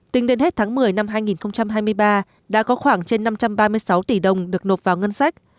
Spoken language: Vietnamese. tính đến hết tháng một mươi năm hai nghìn hai mươi ba đã có khoảng trên năm trăm ba mươi sáu tỷ đồng được nộp vào ngân sách